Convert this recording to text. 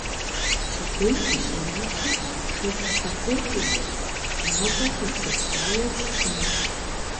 Пщэдей ди щӏыналъэм пшэр техьэтекӏыу, мащӏэу къепсэпсауэу щытынущ.